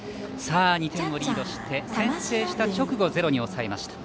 ２点をリードして先制した直後ゼロに抑えました。